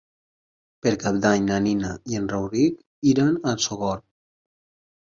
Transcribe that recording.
Per Cap d'Any na Nina i en Rauric iran a Sogorb.